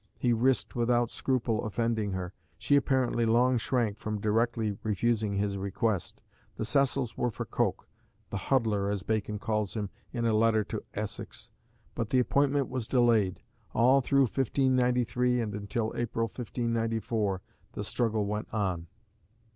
He risked without scruple offending her. She apparently long shrank from directly refusing his request. The Cecils were for Coke the "Huddler" as Bacon calls him, in a letter to Essex; but the appointment was delayed. All through 1593, and until April, 1594, the struggle went on.